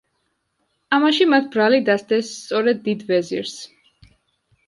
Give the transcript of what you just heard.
ამაში მათ ბრალი დასდეს სწორედ დიდ ვეზირს.